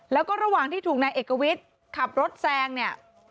แล้วก็ระหว่างที่ถูกนายเอกวิทย์ขับรถแซงเนี่ย